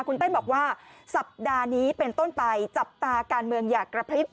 คุณเต้นบอกว่าสัปดาห์นี้เป็นต้นไปจับตาการเมืองอย่ากระพริบ